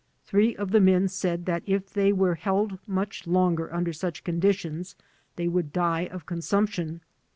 Three of the men said that if they were held much longer under such conditions, they would die of consumption.